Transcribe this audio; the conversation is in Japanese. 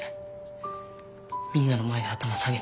みんなの前で頭下げて。